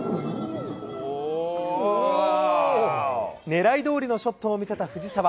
ねらいどおりのショットを見せた藤澤。